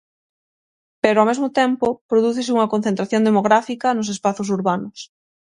Pero ao mesmo tempo prodúcese unha concentración demográfica nos espazos urbanos.